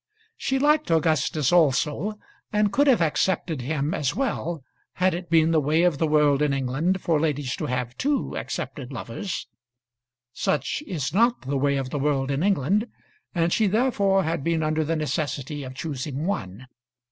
She liked Augustus also, and could have accepted him as well, had it been the way of the world in England for ladies to have two accepted lovers. Such is not the way of the world in England, and she therefore had been under the necessity of choosing one.